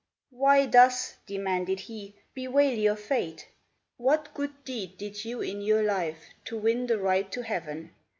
" Why thus," demanded he, " bewail your fate? What good deed did you in your life to win The right to Heaven